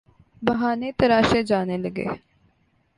بہانے تراشے جانے لگے۔